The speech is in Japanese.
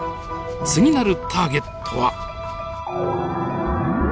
次なるターゲットは。